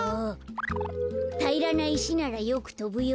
たいらないしならよくとぶよ。